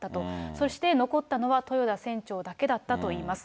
そして残ったのは、豊田船長だけだったといいます。